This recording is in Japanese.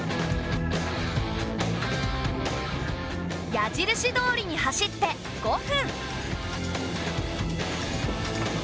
矢印どおりに走って５分。